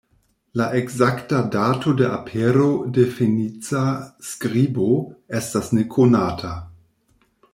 La ekzakta dato de apero de fenica skribo estas nekonata.